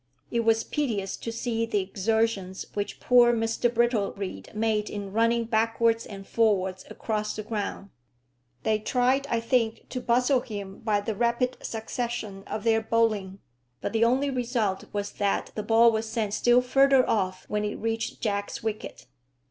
It was piteous to see the exertions which poor Mr Brittlereed made in running backwards and forwards across the ground. They tried, I think, to bustle him by the rapid succession of their bowling. But the only result was that the ball was sent still further off when it reached Jack's wicket.